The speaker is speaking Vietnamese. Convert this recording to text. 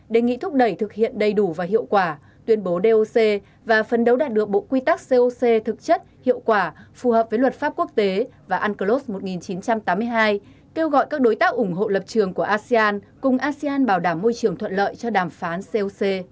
đề nghị thúc đẩy thực hiện đầy đủ và hiệu quả tuyên bố doc và phân đấu đạt được bộ quy tắc coc thực chất hiệu quả phù hợp với luật pháp quốc tế và unclos một nghìn chín trăm tám mươi hai kêu gọi các đối tác ủng hộ lập trường của asean cùng asean bảo đảm môi trường thuận lợi cho đàm phán coc